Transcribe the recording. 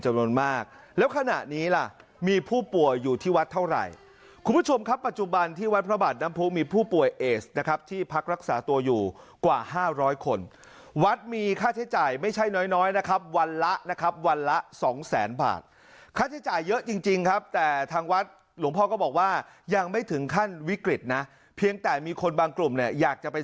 หลังจากนี้หลังจากนี้หลังจากนี้หลังจากนี้หลังจากนี้หลังจากนี้หลังจากนี้หลังจากนี้หลังจากนี้หลังจากนี้หลังจากนี้หลังจากนี้หลังจากนี้หลังจากนี้หลังจากนี้หลังจากนี้หลังจากนี้หลังจากนี้